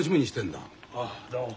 ああどうも。